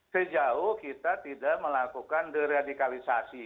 sejauh kita tidak melakukan deradikalisasi